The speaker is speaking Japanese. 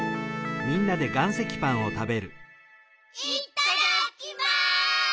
いっただきます！